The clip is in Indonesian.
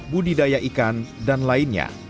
budidaya ikan dan lainnya